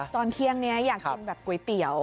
ตอนเที่ยงนี้อยากกินแบบก๋วยเตี๋ยว